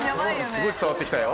すごい伝わって来たよ。